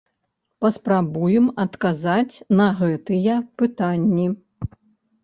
Паспрабуем адказаць на гэтыя пытанні.